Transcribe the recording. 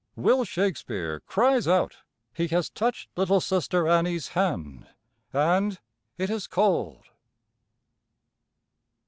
Will Shakespeare cries out. He has touched little sister Annie's hand and it is cold.